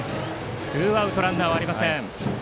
ツーアウトランナーはありません。